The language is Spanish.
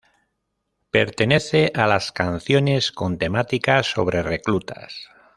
Pertenece a las canciones con temática sobre reclutas.